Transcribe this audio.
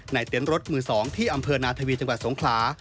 เต็นต์รถมือ๒ที่อำเภอนาธวีจังหวัดสงขลา